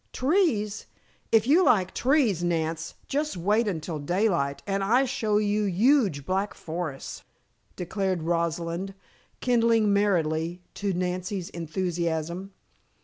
"Trees! If you like trees, Nance, just wait until daylight, and I show you huge black forests," declared Rosalind, kindling merrily to Nancy's enthusiasm.